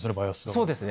そうですね。